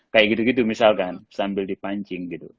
kayak gitu gitu misalkan sambil dipancing gitu